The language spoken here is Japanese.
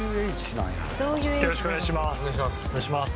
よろしくお願いします